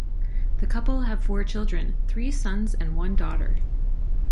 The couple have four children, three sons and one daughter.